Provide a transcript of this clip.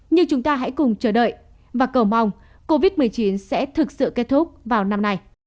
như chúng ta hãy cùng chờ đợi và cầu mong covid một mươi chín sẽ thực sự kết thúc vào năm nay